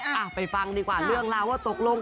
อ่ะไปฟังดีกว่าเรื่องราวว่าตกลง